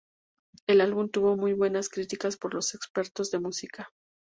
El álbum tuvo muy buenas críticas por los expertos de música.